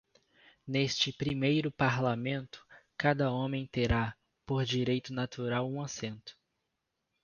Neste primeiro parlamento, cada homem terá, por direito natural, um assento.